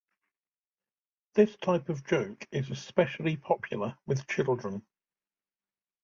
This type of joke is especially popular with children.